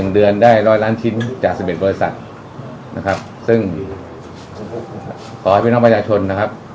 เดือนได้๑๐๐ล้านชิ้นจาก๑๑บริษัทนะครับซึ่งขอให้พี่น้องประชาชนนะครับ